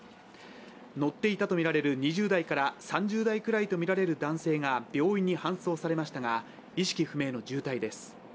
乗っていたとみられる２０代から３０代くらいの男性が病院に搬送されましたが意識不明の重体です。